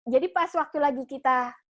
jadi pas waktu lagi kita